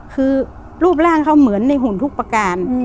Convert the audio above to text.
คือรูปร่างเขาเหมือนในหุ่นทุกประการ